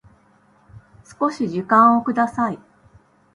少し時間をください